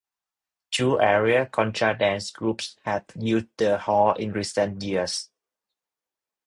Two area contra dance groups have used the hall in recent years.